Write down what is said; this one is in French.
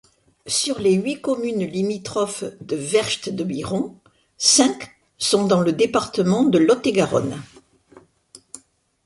Sur les huit communes limitrophes de Vergt-de-Biron, cinq sont dans le département de Lot-et-Garonne.